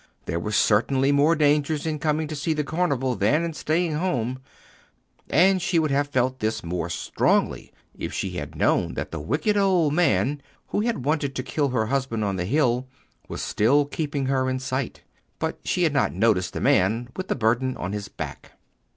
There were certainly more dangers in coming to see the Carnival than in staying at home; and she would have felt this more strongly if she had known that the wicked old man, who had wanted to kill her husband on the hill, was still keeping her in sight. But she had not noticed the man with the burden on his back.